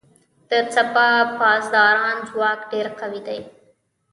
د سپاه پاسداران ځواک ډیر قوي دی.